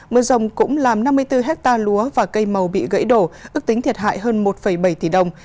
mưa rồng cũng làm năm mươi bốn hectare lúa và cây màu bị gãy đổ ước tính thiệt hại hơn một bảy tỷ đồng